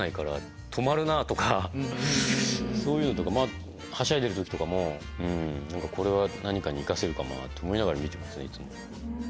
そういうのとかはしゃいでる時とかもこれは何かに生かせるかもなと思いながら見てますねいつも。